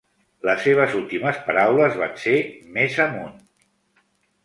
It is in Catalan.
Les seves últimes paraules van ser "Més amunt".